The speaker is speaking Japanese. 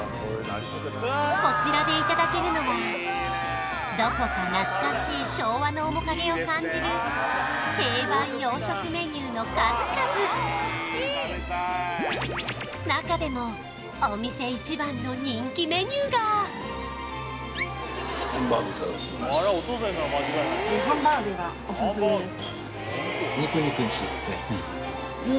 こちらでいただけるのはどこか懐かしい昭和の面影を感じる定番洋食メニューの数々中でもお店がオススメです